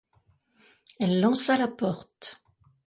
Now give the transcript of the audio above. Elle lança la porte.